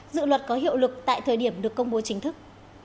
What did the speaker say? dự luật có hiệu lực tại thời điểm được công bố chính thức